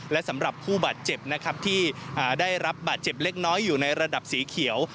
และสำหรับผู้บาดเจ็บนะครับที่ได้รับบาดเจ็บเล็กน้อยอยู่ในระดับสีเขียว